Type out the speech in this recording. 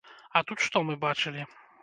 А тут што мы бачылі?